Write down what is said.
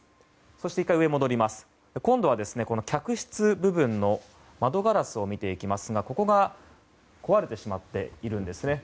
そして、今度は客室部分の窓ガラスを見ていきますがここが壊れてしまっているんです。